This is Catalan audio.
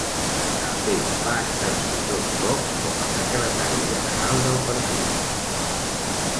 També va exercir dos cops com a secretari general del partit.